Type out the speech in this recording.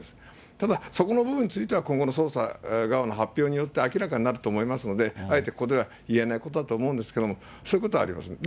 ただ、そこの部分については、今後の発表によって明らかになると思いますので、あえてここでは言えないことだと思うんですけれども、そういうことはあります。